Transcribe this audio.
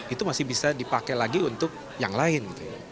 itu masih bisa dipakai lagi untuk yang lain